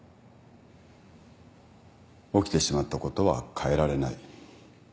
起きてしまったことは変えられない。